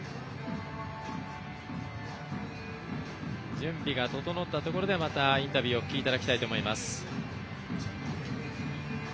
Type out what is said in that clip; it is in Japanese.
準備が整ったところでまたインタビューをお聞きいただきたいと思います。